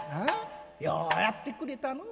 ようやってくれたのう。